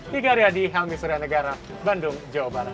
dikarya di helmi surya negara bandung jawa barat